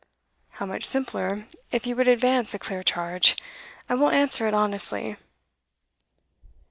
'How much simpler, if you would advance a clear charge. I will answer it honestly.